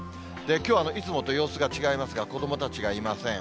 きょうはいつもと様子が違いますが、子どもたちがいません。